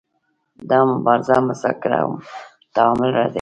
دا مبارزه مذاکره او تعامل ردوي.